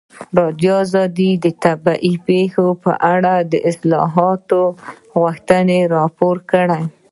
ازادي راډیو د طبیعي پېښې په اړه د اصلاحاتو غوښتنې راپور کړې.